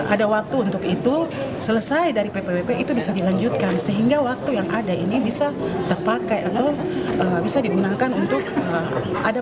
ada waktu untuk itu selesai dari ppwp itu bisa dilanjutkan sehingga waktu yang ada ini bisa terpakai atau bisa digunakan untuk ada